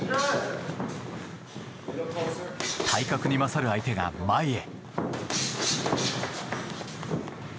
体格に勝る相手が前へ。